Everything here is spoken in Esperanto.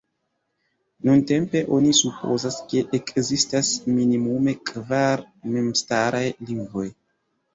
Nuntempe oni supozas, ke ekzistas minimume kvar memstaraj lingvoj.